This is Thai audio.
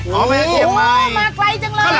มาเวลาเทียงใบ